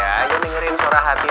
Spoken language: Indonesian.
jangan ngirim suara hati